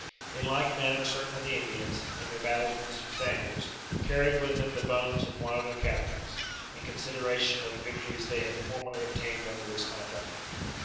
In like manner certain of the Indians, in their battles with the Spaniards, carried with them the bones of one of their captains, in consideration of the victories they had formerly obtained under his conduct.